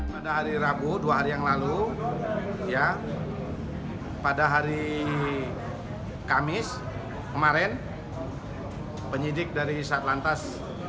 pada hari rabu dua hari yang lalu pada hari kamis kemarin penyidik dari satlantas